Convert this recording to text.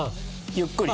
ゆっくり。